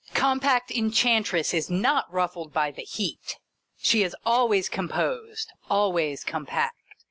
Compact Enchantress is not ruffled by the heat — she is always composed, always compact.